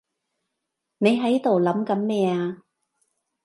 你喺度諗緊咩啊？